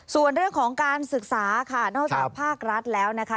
ส่วนเรื่องของการศึกษาค่ะนอกจากภาครัฐแล้วนะคะ